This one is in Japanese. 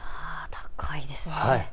高いですね。